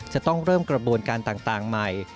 จะต้องเริ่มกระบวนการต่างใหม่